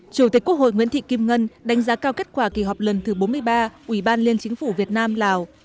chủ tịch quốc hội nguyễn thị kim ngân đánh giá cao kết quả kỳ họp lần thứ bốn mươi ba ủy ban liên chính phủ việt nam lào